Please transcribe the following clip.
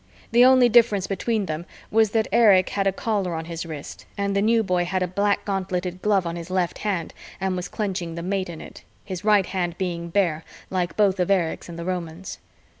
The only difference between them was that Erich had a Caller on his wrist and the New Boy had a black gauntleted glove on his left hand and was clenching the mate in it, his right hand being bare like both of Erich's and the Roman's.